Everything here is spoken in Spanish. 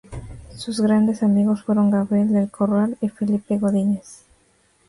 Sus grandes amigos fueron Gabriel del Corral y Felipe Godínez.